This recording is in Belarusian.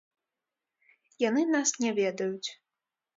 Яны нас не ведаюць.